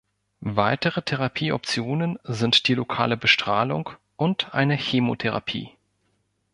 Weitere Therapieoptionen sind die lokale Bestrahlung und eine Chemotherapie.